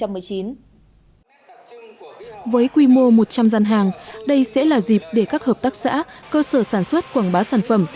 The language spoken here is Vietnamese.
với quy mô một trăm linh gian hàng đây sẽ là dịp để các hợp tác xã cơ sở sản xuất quảng bá sản phẩm